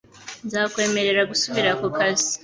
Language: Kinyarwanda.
Nzakwemerera gusubira ku kazi